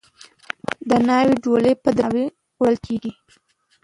د ناوې ډولۍ په درناوي وړل کیږي.